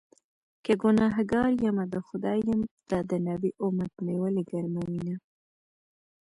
که ګنهکار يمه د خدای یم- دا د نبي امت مې ولې ګرموینه